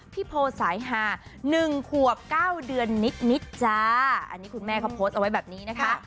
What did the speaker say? พี่โพสายฮาหนึ่งขวบเก้าเดือนนิดนิดจ้าอันนี้คุณแม่เขาโพสต์เอาไว้แบบนี้นะคะ